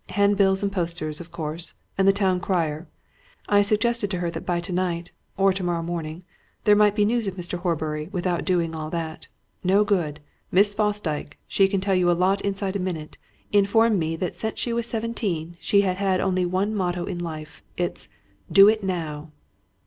Handbills and posters, of course and the town crier. I suggested to her that by tonight, or tomorrow morning, there might be news of Mr. Horbury without doing all that. No good! Miss Fosdyke she can tell you a lot inside a minute informed me that since she was seventeen she had only had one motto in life. It's do it now!"